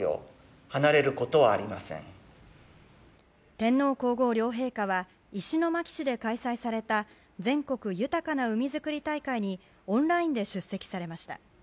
天皇・皇后両陛下は石巻市で開催された全国豊かな海づくり大会にオンラインで出席されました。